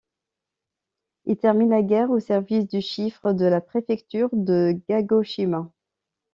Il termine la guerre au service du chiffre de la préfecture de Kagoshima.